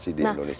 siang kemarin itu